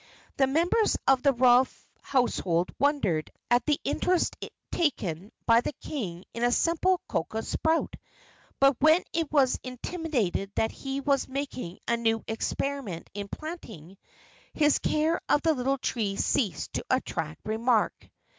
The members of the royal household wondered at the interest taken by the king in a simple cocoa sprout; but when it was intimated that he was making a new experiment in planting, his care of the little tree ceased to attract remark.